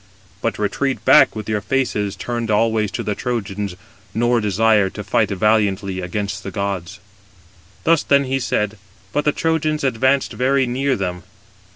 But retreat back, [with your faces] turned always to the Trojans, nor desire to fight valiantly against the gods." Thus then he said: but the Trojans advanced very near them.